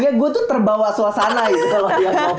sehingga gue tuh terbawa suasana gitu kalau dia ngomong